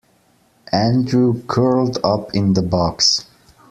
Andrew curled up in the box.